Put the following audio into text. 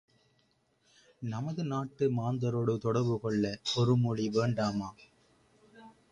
நமது நாட்டு மாந்தரொடு தொடர்பு கொள்ள ஒருமொழி வேண்டாமா?